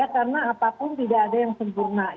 karena apapun tidak ada yang sempurna